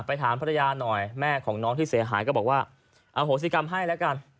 ถามภรรยาหน่อยแม่ของน้องที่เสียหายก็บอกว่าอโหสิกรรมให้แล้วกัน